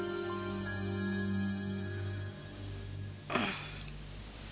うん。